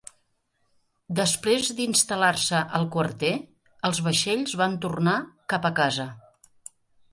Després d'instal·lar-se al quarter, els vaixells van tornar cap a casa.